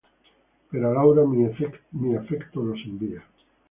pero a Laura mi afecto los envía